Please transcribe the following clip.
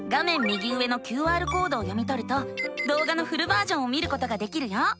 右上のＱＲコードを読みとるとどうがのフルバージョンを見ることができるよ。